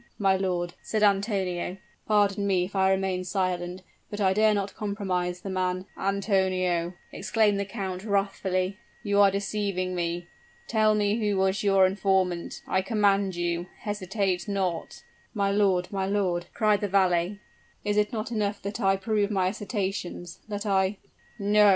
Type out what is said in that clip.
"My lord," said Antonio, "pardon me if I remain silent; but I dare not compromise the man " "Antonio," exclaimed the count, wrathfully, "you are deceiving me! Tell me who was your informant I command you hesitate not " "My lord! my lord!" cried the valet, "is it not enough that I prove my assertions that I " "No!"